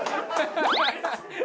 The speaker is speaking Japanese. ハハハ！